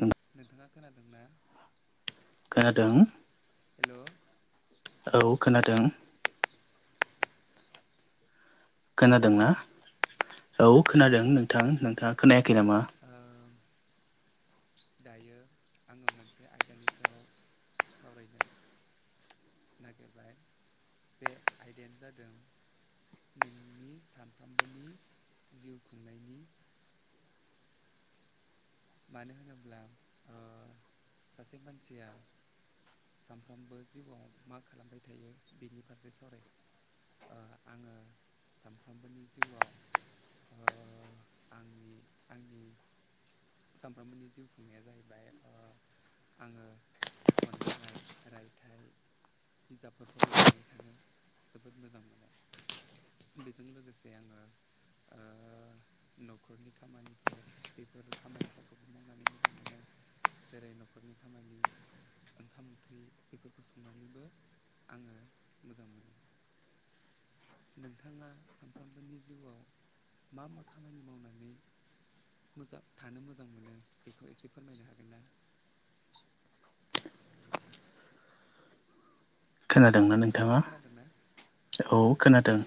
नों नोंथाङा खोनादोंना। खोनादों हेल' औ खोनादों हेल' खोनादोंना ओ औ खोनादों नोंथां नोंथाङा खोनायाखै नामा? दायो आङो मोनसे आयदानि सायाव सावरायनो नागिरबाय बे आयदायानो जादों नोंनि सानफ्रोमबोनि जिउ खुंनायनि मानो होनोब्ला ओ सासे मानसिया सानफ्रामबो जिउआव मा खालामबाय थायो बिनि फारसे सावरायगोन। ओ आङो सानफ्रोमबोनि जिउआव ओ आंनि आंनि सानफ्रोमबोनि जिउ खुंनाया जाहैबाय ओ आङो खन्थाइ रायथाइ बिजाबफोर फरायनानै थानो जोबोद मोजां मोनो। बेजों लोगोसे आङो ओ न'खरनि खामानिफोर बेफोर खामानिफोरखौबो मावनानै मोजां मोनो जेरै न'खरनि खामानि ओंखाम ओंख्रि बेफोरखौ संनानैबो आङो मोजां मोनो। नोंथाङा सानफ्रोमबोनि जिउआव मा मा खामानि मावनानै मोजां थानो मोजां मोनो बेखौ एसे फोरमायनो हागोन ना? खोनादोंना हेल' नोंथाङा? खोनादोंना औ खोनादों।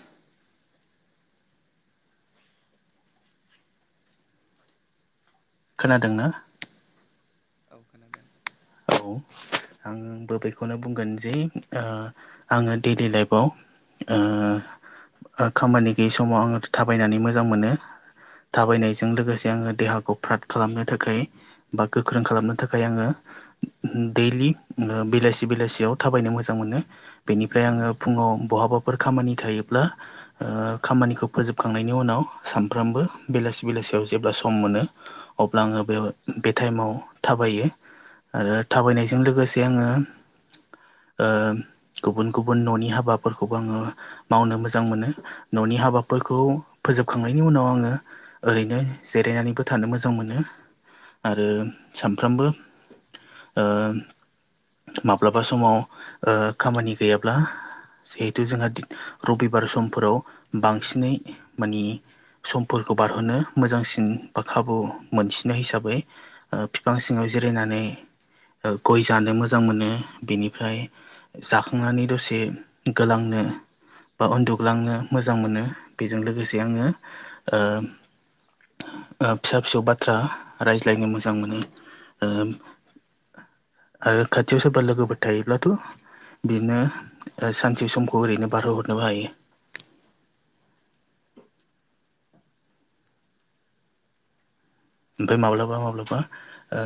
खोनादोंना? औ खोनादों। औ। आंबो बेेखौनो बुंगोन जे ओ आङो दैलि लाइफआव ओ खामानि गैयि समाव आङो थाबायनानै मोजां मोनो। थाबायनायजों लोगोसे आङो देहाखौ फ्रात खालामनो थाखाय बा गोख्रों खालामनो थाखाय आङो उम दैलि बेलासि बेलासियाव थाबायनो मोजां मोनो। बेनिफ्राय आङो फुङाव ब बहाबाफोर खामानि थायोब्ला ओ खामानिखौ फोजोबखांनायनि उनाव सानफ्रामबो बेला सि बेलासियाव जेब्ला सम मोनो अब्ला आङो बेयाव बे टाइमाव थाबायो आरो थाबायनायजों लोगोसे आङो ओ गुबुन गुबुन न'नि हाबाफोरखौबो आङो मावनो मोजां मोनो। न'नि हाबाफोरखौ फोजोबखांनायनि उनाव आङो ओरैनो जिरायनानैबो थानो मोजां मोनो आरो सामफ्रोमबो ओ माब्लाबा समाव ओ खामानि गैयाब्ला जिहेतु जोंहा रबिबार समफोराव बांसिनै माने समफोर खौ बारहरनो मोजांसिन बा खाबु मोनसिनो हिसाबै ओ फिफां सिङाव जिरायनानै ओ गय जानो मोजां मोनो। बेनिफ्राय जाखांनानै दसे गोलांनो बा उन्दुग्लांनो मोजां मोनो। बेजों लोगोसे आङो ओ ओ फिसा फिसौ बाथ्रा रायज्लायनो मोजां मोनो। ओ आरो खाथियाव लोगोफोर थायोब्लाथ' बिदिनो ओ सानसे समखौ ओरैनो बारहोहरनोबो हायो। ओमफाय माब्लाबा माब्लाबा ओ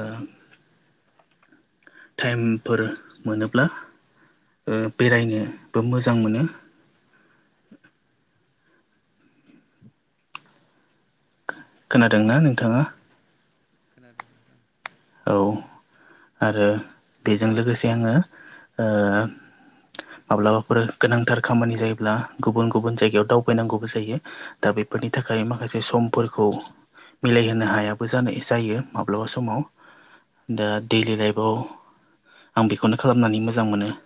टाइमफोर मोनोब्ला ओ बेरायनो बो मोजां मोनो। खोनादोंना नोंथाङा? खोनादों नोंथां। औ आरो बेजों लोगोसे आङो ओ माब्लाबाफोर गोनांथार खामानि जायोब्ला गुबुन गुबुन जायगायाव दावबायनांगौबो जायो, दा बे फोरनि थाखाय माखासे समफोरखौ मिलायहोनो हायाबो जानाय जायो माब्लाबा समाव। दा दैलि लाइफआव आं बेखौनो खालामनानै मोजां मोनो। [inaudible]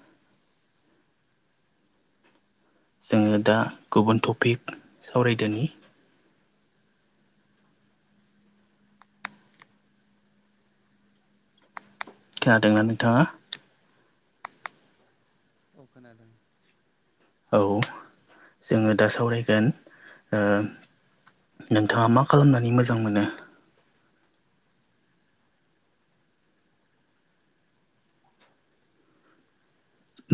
जोङो दा गुबुन टपिक सावरायदोनि। खोनादोंना नोंथाङा? अ खोनादों। औ जोङो दा सावरायगोन ओ नोंथाङा मा खालामनानै मोजां मोनो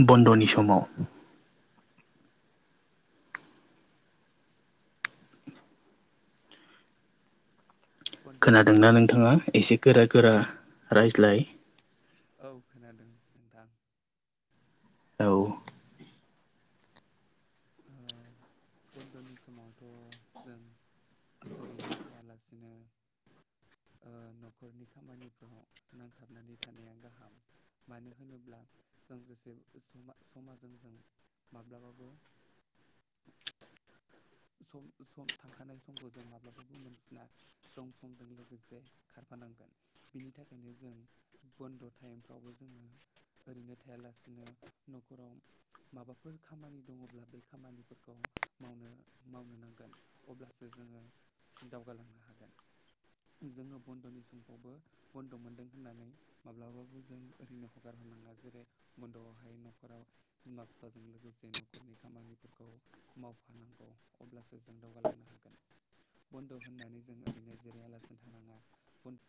बन्दनि समाव? बन्द'नि खोनादोंना समावथ' नोंथाङा? एसे गोरा गोरा औ रायज्लाय। औ खोनादों नोंथां। औ। ओ बन्दनि समावथ' जों ओरैनो थायालासिनो ओ [inaudible] न'खरनि खामानिफ्राव नांथाबनानै थानाया गाहाम मानो होनोब्ला जों जेसेब [unintelligible] समा समा जोंजों माब्लाबाबो [inaudible] सम सम थांखानाय समखौ जों माब्लाबाबो मोनफिना जों समजों लोगोसे खार फानांगोन बिनि थाखायनो जों बन्द' टाइमफ्रावबो जोङो ओरैनो थायालासिनो न'खराव माबाफोर खामानि दङब्ला बे खामानिफोरखौ मावनो मावनो नांगोन अब्लासो जोङो दावगालांनो हागोन। जोङो बन्द'नि समखौबो बन्द' मोनदों होननानै माब्लाबाबो जों ओरैनो हगारहर नाङा जेरै बन्द'आवहाय न'खराव बिमा फिफाजों लोगोसे न'खरनि खामानिफोरखौ मावफानांगौ अब्लासो जों दावगालांनो हागोन। बन्द' होननानै जों ओरैनो जिरायालासिनो थानाङा बन